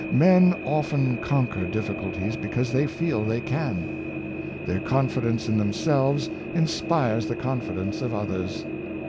Men often conquer difficulties because they feel they can. Their confidence in themselves inspires the con fidence of others.